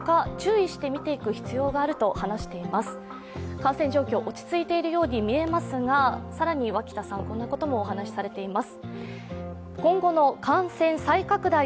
感染状況が落ちつているように見えますが更に脇田さん、こんなこともお話しされています。